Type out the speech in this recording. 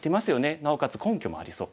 なおかつ根拠もありそう。